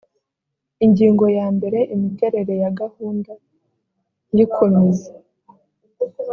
ingingo ya mbere imiterere ya gahunda y ikomeza